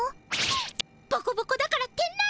ボコボコだからってなんです！